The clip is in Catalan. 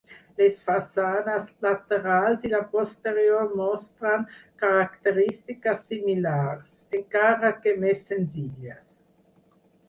Les façanes laterals i la posterior mostren característiques similars, encara que més senzilles.